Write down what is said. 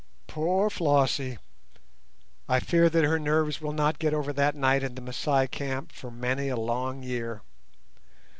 Poor Flossie! I fear that her nerves will not get over that night in the Masai camp for many a long year.